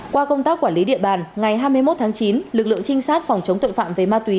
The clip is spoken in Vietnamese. qua công tác quản lý địa bàn ngày hai mươi một tháng chín lực lượng trinh sát phòng chống tội phạm về ma túy